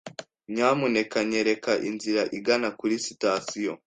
Nyamuneka nyereka inzira igana kuri sitasiyo.